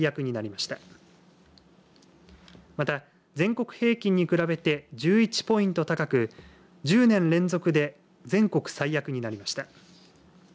また、全国平均に比べて１１ポイント高く１０年連続で全国最悪になりました。